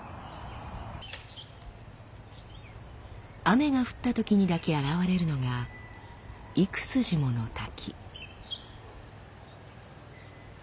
雨が降ったときにだけ現れるのが幾筋もの滝。